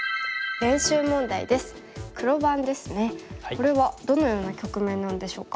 これはどのような局面なんでしょうか。